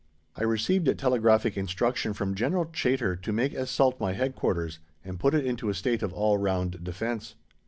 I received telegraphic instruction from General Chaytor to make Es Salt my Headquarters and put it into a state of all round defence.